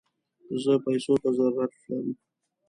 زه پيسوته ضرورت لم